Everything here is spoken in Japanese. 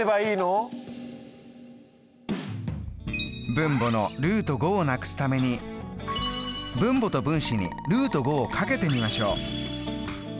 分母のをなくすために分母と分子にをかけてみましょう。